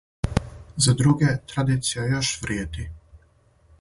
За друге, традиција још вриједи.